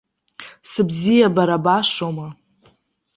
Сыбзиабара башоума?